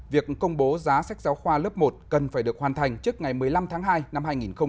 việc công bố giá sách giáo khoa lớp một cần phải được hoàn thành trước ngày một mươi năm tháng hai năm hai nghìn hai mươi